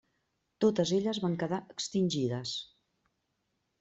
Totes elles van quedar extingides.